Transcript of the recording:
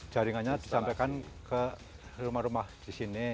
jaringannya disampaikan ke rumah rumah di sini